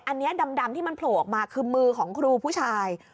อันนี้ดำที่มันโผล่ออกมาคือมือของครูผู้ชาย